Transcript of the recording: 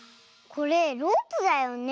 これロープだよね。